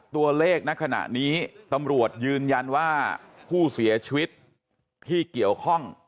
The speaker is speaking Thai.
ณขณะนี้ตำรวจยืนยันว่าผู้เสียชีวิตที่เกี่ยวข้อง